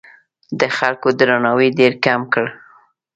د خلکو درناوی ډېر کم کړ.